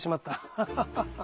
ハハハハハ。